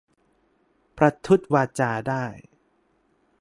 ประทุษวาจาได้